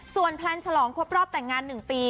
ส่วนแพลนฉลองครบรอบแต่งงาน๑ปี